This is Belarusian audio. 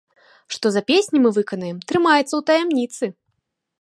Што за песні мы выканаем, трымаецца ў таямніцы.